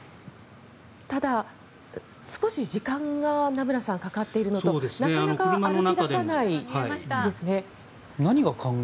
ただ、少し時間が名村さん、かかっているのとなかなか歩き出さないですね。